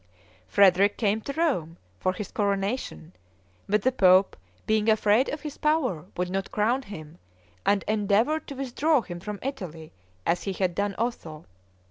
Frederick came to Rome for his coronation; but the pope, being afraid of his power, would not crown him, and endeavored to withdraw him from Italy as he had done Otho.